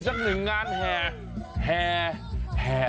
มีสักหนึ่งงานแห่แห่แห่อะไร